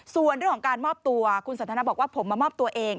ส่วนเรื่องของการมอบตัวคุณสันทนาบอกว่าผมมามอบตัวเอง